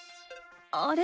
あれ？